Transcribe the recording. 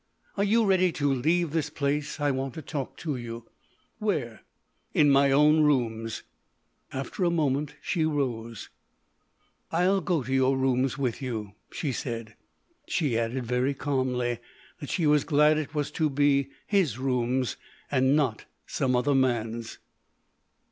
Are you ready to leave this place? I want to talk to you." "Where?" "In my own rooms." After a moment she rose. "I'll go to your rooms with you," she said. She added very calmly that she was glad it was to be his rooms and not some other man's.